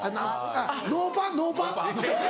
ノーパンノーパン。